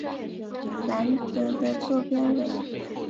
兰德的座标为。